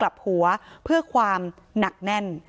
การแก้เคล็ดบางอย่างแค่นั้นเอง